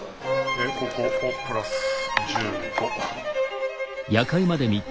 でここをプラス１５。